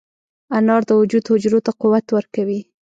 انار د وجود حجرو ته قوت ورکوي.